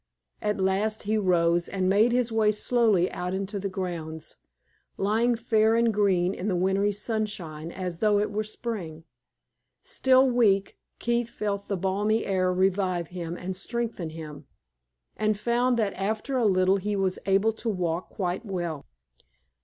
At last he rose and made his way slowly out into the grounds, lying fair and green in the wintry sunshine as though it were spring. Still weak, Keith felt the balmy air revive him and strengthen him, and found that after a little he was able to walk quite well.